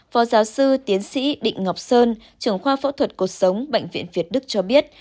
phó giáo sư tiến sĩ định ngọc sơn trưởng khoa phẫu thuật cuộc sống bệnh viện việt đức cho biết